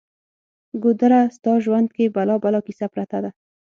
ګودره! ستا ژوند کې بلا بلا کیسه پرته ده